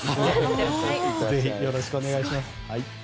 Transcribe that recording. よろしくお願いします。